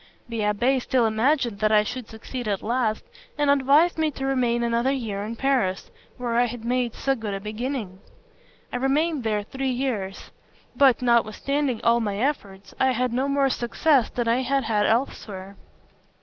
The abbé still imagined that I should succeed at last, and advised me to remain another year in Paris, where I had made so good a beginning. I remained there three years; but, notwithstanding all my efforts, I had no more success than I had had elsewhere.